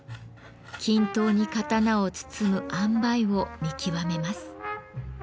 均等に刀を包むあんばいを見極めます。